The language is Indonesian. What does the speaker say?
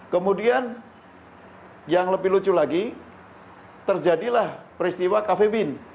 kemudian yang lebih lucu lagi terjadilah peristiwa cafe win